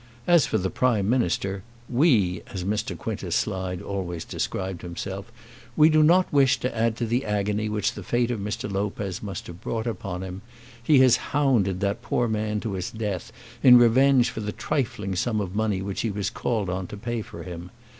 As for the Prime Minister, "We," as Mr. Quintus Slide always described himself, "We do not wish to add to the agony which the fate of Mr. Lopez must have brought upon him. He has hounded that poor man to his death in revenge for the trifling sum of money which he was called on to pay for him.